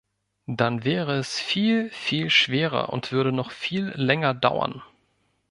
Dann wäre es viel, viel schwerer und würde noch viel länger dauern.